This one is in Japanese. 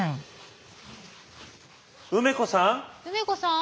梅子さん？